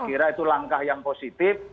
saya kira itu langkah yang positif